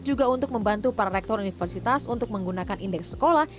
juga untuk membantu para rektor universitas untuk menggunakan indeks sekolah